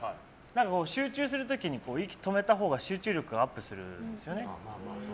集中する時に息を止めたほうが集中力がアップするんです。